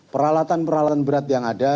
peralatan peralatan berat yang ada